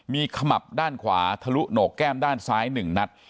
มีขมับด้านขวาทะลุโหนกแก้มด้านซ้าย๑นัด